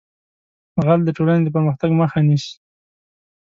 غل د ټولنې د پرمختګ مخه نیسي